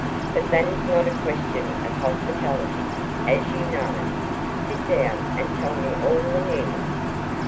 But that is not a question of hospitality, as you know. Sit down, and tell me all the news."